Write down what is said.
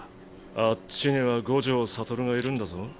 あっちには五条悟がいるんだぞ。